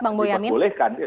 kemudian juga diperbolehkan